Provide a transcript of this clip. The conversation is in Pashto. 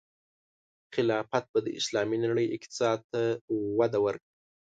خلافت به د اسلامي نړۍ اقتصاد ته وده ورکړي.